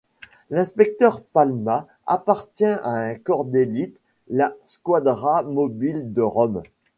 L’inspecteur Palma appartient à un corps d’élite, la squadra mobile de Rome.